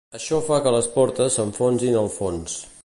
Això fa que les portes s'enfonsin al fons.